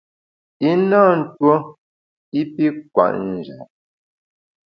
I na ntuo i pi kwet njap.